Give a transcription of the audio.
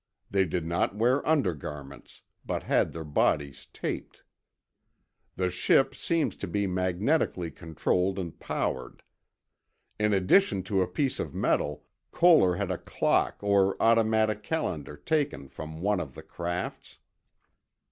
They did not wear undergarments, but had their bodies taped. The ships seemed to be magnetically controlled and powered. In addition to a piece of metal, Koehler had a clock or automatic calendar taken from one of the crafts.